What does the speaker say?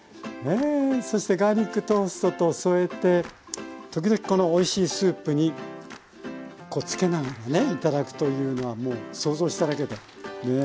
そしてガーリックトーストと添えて時々このおいしいスープにこうつけながらね頂くというのはもう想像しただけでねおいしそうです。